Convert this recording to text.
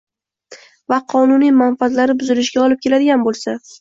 va qonuniy manfaatlari buzilishiga olib keladigan bo‘lsa.